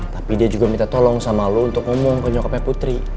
tapi dia juga minta tolong sama lu untuk ngomong ke nyokapnya putri